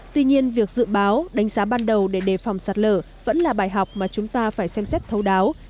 tuy nhiên việc dự báo đánh giá ban đầu để đề phòng sạt lở vẫn là bài học mà chúng ta phải xem xét thấu đáo